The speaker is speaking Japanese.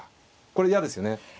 これ嫌ですよね。